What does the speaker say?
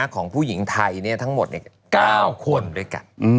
ของผู้หญิงไทยทั้งหมด๙คนด้วยกัน